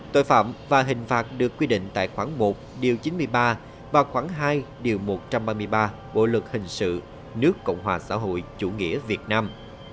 tội phạm và hình phạt được quy định tại khoảng một điều chín mươi ba và khoảng hai điều một trăm ba mươi ba bộ luật hình sự nước cộng hòa xã hội chủ nghĩa việt nam